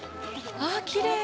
あきれい。